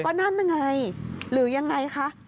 ก็นั่นน่ะไงหรือยังไงคะ